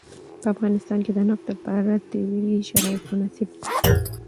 په افغانستان کې د نفت لپاره طبیعي شرایط مناسب دي.